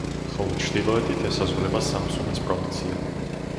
ხოლო ჩრდილოეთით ესაზღვრება სამსუნის პროვინცია.